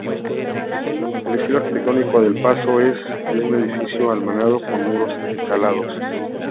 El estilo arquitectónico del pazo es el de un edificio almenado con muros encalados.